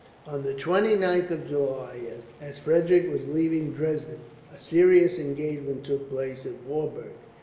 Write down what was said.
On the 29th of July, as Frederick was leaving Dresden, a serious engagement took place at Warburg.